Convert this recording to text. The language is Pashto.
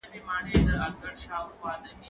زه کولای شم اوبه وڅښم؟!